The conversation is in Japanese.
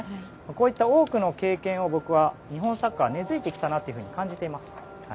こういった多くの経験を僕は、日本サッカーは根付いてきたなと感じています。